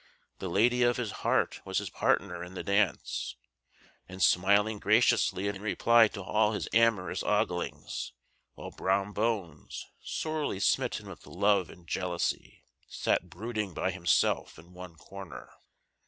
The lady of his heart was his partner in the dance, and smiling graciously in reply to all his amorous oglings, while Brom Bones, sorely smitten with love and jealousy, sat brooding by himself in one corner.